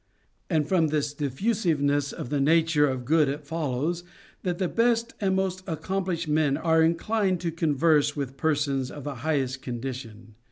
And from this diffusiveness of the nature of good it follows, that the best and most accomplished men are inclined to converse with persons of the highest condi tion.